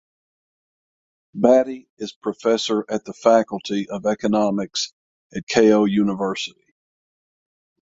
Batty is Professor at the Faculty of Economics at Keio University.